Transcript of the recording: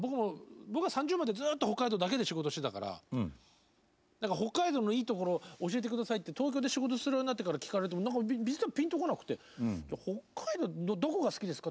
僕は３０歳までずっと北海道だけで仕事してたから北海道のいいところを教えてくださいって東京で仕事をするようになってから聞かれても実はピンとこなくて北海道どこが好きですか？